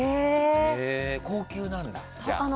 高級なんだ、じゃあ。